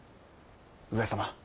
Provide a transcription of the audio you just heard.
上様。